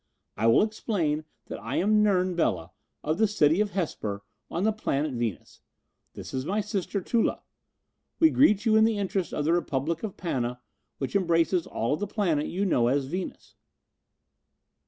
"I will explain that I am Nern Bela, of the City of Hesper, on the planet Venus. This is my sister Tula. We greet you in the interest of the Republic of Pana, which embraces all of the planet you know as Venus."